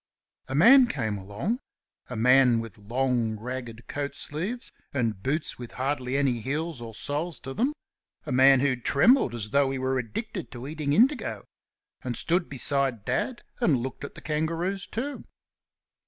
A man came along a man with long, ragged coat sleeves and boots with hardly any heels or soles to them a man who trembled as though he were addicted to eating indigo and stood beside Dad and looked at the kangaroos, too.